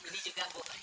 beli juga bu